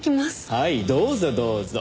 はいどうぞどうぞ。